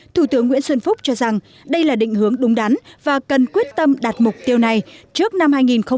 thủ tướng nguyễn xuân phúc cho rằng đây là định hướng đúng đắn và cần quyết tâm đạt mục tiêu này trước năm hai nghìn ba mươi